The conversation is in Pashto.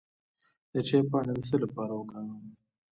د چای پاڼې د څه لپاره وکاروم؟